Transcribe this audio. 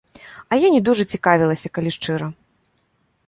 А я не дужа цікавілася, калі шчыра.